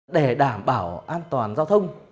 để đảm bảo an toàn giao thông